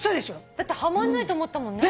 だってはまんないと思ったもんね。